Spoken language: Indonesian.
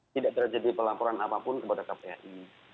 tidak terjadi pelaporan apapun kepada kpai